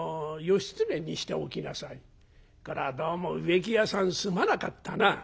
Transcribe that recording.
これはどうも植木屋さんすまなかったな。